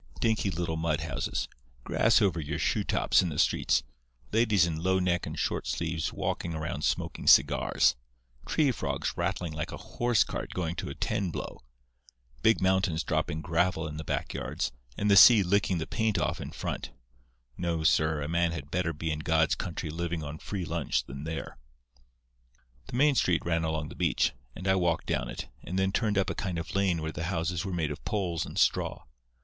"Dinky little mud houses; grass over your shoe tops in the streets; ladies in low neck and short sleeves walking around smoking cigars; tree frogs rattling like a hose cart going to a ten blow; big mountains dropping gravel in the back yards, and the sea licking the paint off in front—no, sir—a man had better be in God's country living on free lunch than there. "The main street ran along the beach, and I walked down it, and then turned up a kind of lane where the houses were made of poles and straw.